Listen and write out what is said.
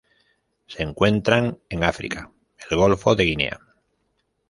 Se encuentran en África: el Golfo de Guinea.